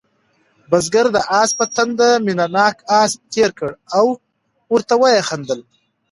بزګر د آس په تندي مینه ناک لاس تېر کړ او ورته ویې خندل.